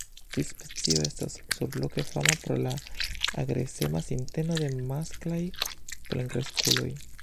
Tiu specio estas surloke fama pro la agresema sinteno de masklaj plenkreskuloj.